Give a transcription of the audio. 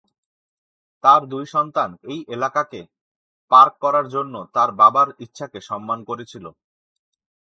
তার দুই সন্তান এই এলাকাকে পার্ক করার জন্য তার বাবার ইচ্ছাকে সম্মান করেছিল।